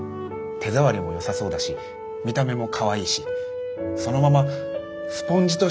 手触りもよさそうだし見た目もかわいいしそのままスポンジとしても使えるかも。